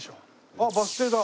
あっバス停だ。